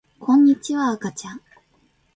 こんにちはあかちゃん